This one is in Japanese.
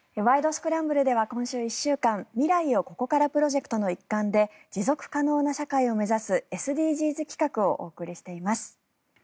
スクランブル」では今週１週間未来をここからプロジェクトの一環で持続可能な社会を目指すＳＤＧｓ企画をお送りしています。